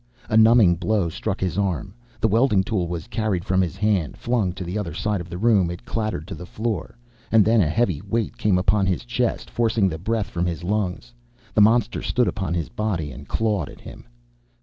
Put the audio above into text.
A numbing blow struck his arm. The welding tool was carried from his hand. Flung to the side of the room, it clattered to the floor; and then a heavy weight came upon his chest, forcing the breath from his lungs. The monster stood upon his body and clawed at him.